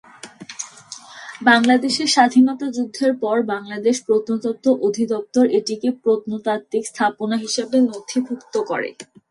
বাংলাদেশের স্বাধীনতা যুদ্ধের পর বাংলাদেশ প্রত্নতত্ত্ব অধিদপ্তর এটিকে প্রত্নতাত্ত্বিক স্থাপনা হিসেবে নথিভুক্ত করে।